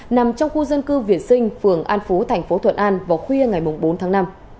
nằm trong khu dân cư viện sinh phường an phú tp thuận an vào khuya ngày bốn tháng năm